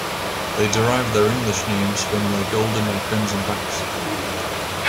They derive their English names from their golden or crimson backs.